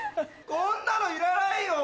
こんなのいらないよ！